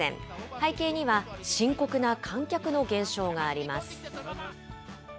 背景には、深刻な観客の減少があります。